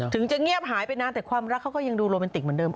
จะเงียบหายไปนานแต่ความรักเขาก็ยังดูโรแมนติกเหมือนเดิ